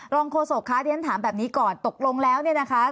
โฆษกคะเรียนถามแบบนี้ก่อนตกลงแล้วเนี่ยนะคะ